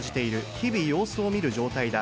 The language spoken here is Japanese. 日々、様子を見る状態だ。